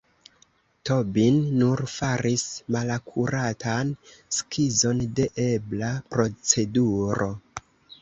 Tobin nur faris malakuratan skizon de ebla proceduro.